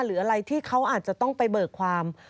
หรืออะไรที่เขาอาจจะต้องไปเบิกความ